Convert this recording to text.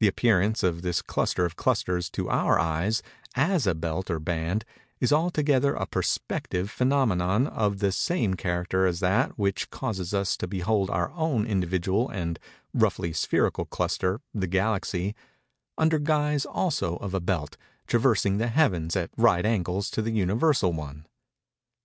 The appearance of this cluster of clusters, to our eyes, as a belt or band, is altogether a perspective phænomenon of the same character as that which causes us to behold our own individual and roughly spherical cluster, the Galaxy, under guise also of a belt, traversing the Heavens at right angles to the Universal one.